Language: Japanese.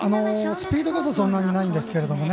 スピードこそそんなにないんですけどね。